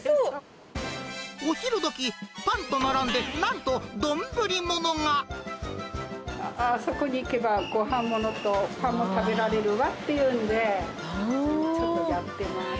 お昼どき、パンと並んでなんあそこに行けば、ごはんものとパンも食べられるわっていうんで、ちょっとやってます。